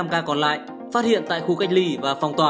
hai mươi năm ca còn lại phát hiện tại khu cách ly và phòng tỏa